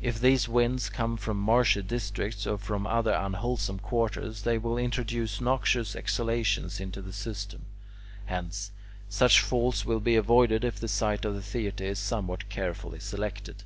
If these winds come from marshy districts or from other unwholesome quarters, they will introduce noxious exhalations into the system. Hence, such faults will be avoided if the site of the theatre is somewhat carefully selected.